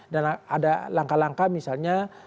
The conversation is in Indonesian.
dan ada langkah langkah misalnya